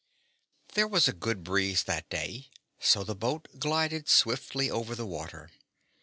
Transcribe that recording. There was a good breeze that day, so the boat glided swiftly over the water.